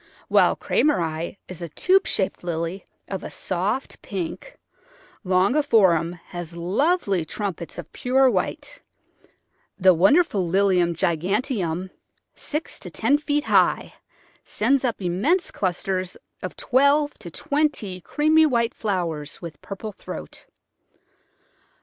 While Krameri is a tube shaped Lily of a soft pink; longiflorum has lovely trumpets of pure white; the wonderful Lilium giganteum, six to ten feet high, sends up immense clusters of twelve to twenty creamy white flowers, with purple throat.